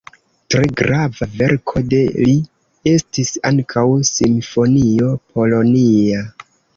Tre grava verko de li estis ankaŭ simfonio "Polonia".